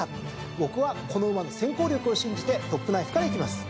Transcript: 僕はこの馬の先行力を信じてトップナイフからいきます。